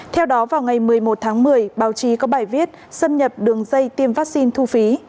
theo đó vào ngày một mươi một tháng một mươi báo chí có bài viết xâm nhập đường dây tiêm vaccine thu phí